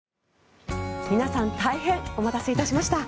皆さん大変お待たせいたしました。